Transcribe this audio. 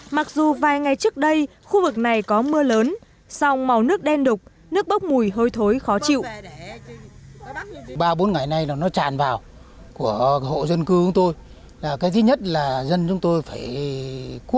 mặc dù vài ngày trước đây khu vực này có mưa lớn song màu nước đen đục nước bốc mùi hôi thối khó chịu